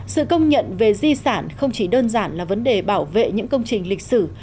sự công nhận về di sản không chỉ đơn giản là vấn đề bảo vệ những công trình lịch sử